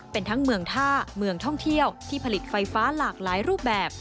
เป็นทั้งเมืองท่าเมืองท่องเที่ยวที่ผลิตไฟฟ้าหลากหลายรูปแบบ